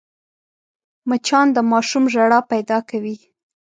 مچان د ماشوم ژړا پیدا کوي